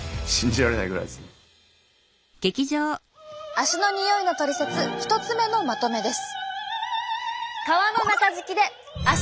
足のにおいのトリセツ１つ目のまとめです。